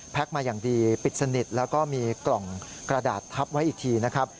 มาอย่างดีปิดสนิทแล้วก็มีกล่องกระดาษทับไว้อีกทีนะครับ